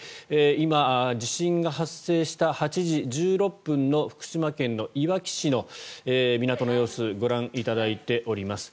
今、地震が発生した８時１６分の福島県いわき市の港の様子をご覧いただいております。